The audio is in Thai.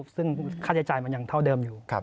ซึ่งค่าใช้จ่ายมันยังเท่าเดิมอยู่